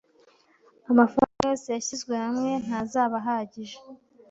Amafaranga yose yashyizwe hamwe ntazaba ahagije.